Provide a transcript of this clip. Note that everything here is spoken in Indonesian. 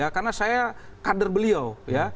karena saya kader beliau